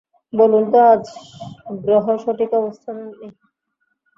বলুন তো, আজ গ্রহ সঠিক অবস্থানে নেই।